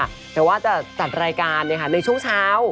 เดี๋ยวว่าจะจัดรายการเนี่ยค่ะในช่วงเช้า